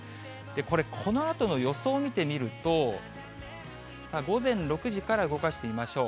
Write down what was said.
これ、このあとの予想見てみると、午前６時から動かしてみましょう。